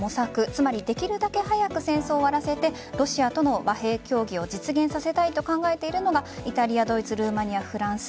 つまりできるだけ早く戦争を終わらせてロシアとの和平協議を実現させたいと考えているのがイタリア、ドイツルーマニア、フランス